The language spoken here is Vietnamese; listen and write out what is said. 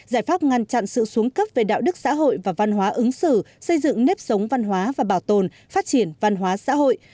giải pháp ngăn chặn sự xuống cấp về đạo đức xã hội và văn hóa ứng xử xây dựng nếp sống văn hóa và bảo tồn phát triển văn hóa xã hội